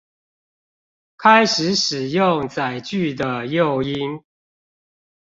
開始使用載具的誘因